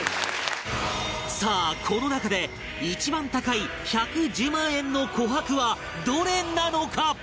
さあこの中で一番高い１１０万円の琥珀はどれなのか？